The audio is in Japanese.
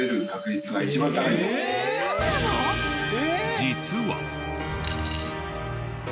実は。